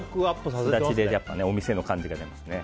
スダチでお店の感じが出ますね。